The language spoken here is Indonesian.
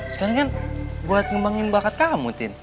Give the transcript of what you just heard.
sekarang kan buat ngembangin bakat kamu tin